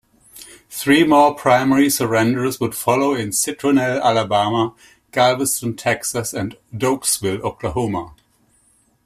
Three more primary surrenders would follow in Citronelle, Alabama; Galveston, Texas; and Doaksville, Oklahoma.